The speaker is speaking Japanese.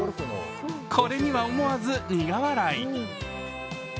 これには思わず苦笑い。